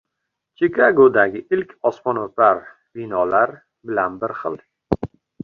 - Chikagodagi ilk osmono‘par binolar bilan bir xil.